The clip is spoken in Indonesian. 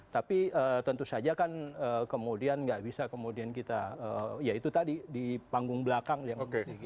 tapi tentu saja kan kemudian nggak bisa kemudian kita ya itu tadi di panggung belakang yang